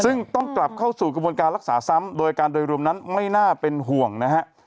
ซึ่งต้องกลับเข้าสู่กระบวนการรักษาซ้ำโดยการโดยรวมนั้นไม่น่าเป็นห่วงนะฮะ